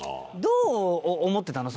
どう思ってたの？